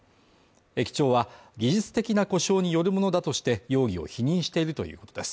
駅長は、技術的な故障によるものだとして、容疑を否認しているということです。